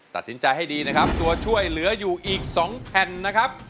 ตัดสินใจให้ดีนะครับตัวช่วยเหลืออยู่อีก๒แผ่นนะครับ